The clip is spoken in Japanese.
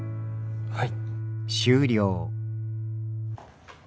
はい。